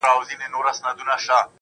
ستا و مخ ته چي قدم دی خو ته نه يې~